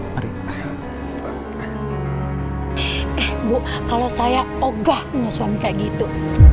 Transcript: eh bu kalau saya ogah punya suami kayak gitu